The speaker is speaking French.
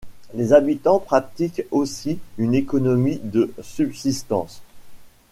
Les habitants pratiquent aussi une économie de subsistance.